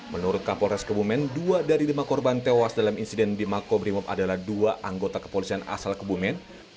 menurut kapolres kebumen dua dari lima korban tewas dalam insiden di makobrimob adalah dua anggota kepolisian asal kebumen